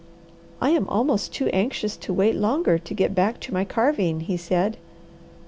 "I am almost too anxious to wait longer to get back to my carving," he said.